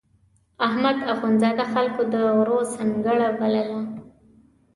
احمد اخوندزاده خلکو د غرو سنګړه بلله.